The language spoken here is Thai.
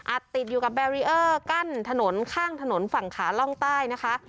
ติดอยู่กับแบรีเออร์กั้นถนนข้างถนนฝั่งขาล่องใต้นะคะ